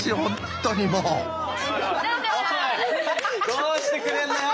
どうしてくれるんだよ。